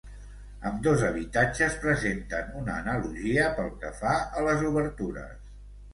Ambdós habitatges presenten una analogia pel que fa a les obertures.